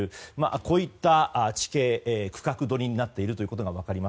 こういった地形、区画どりになっていることが分かります。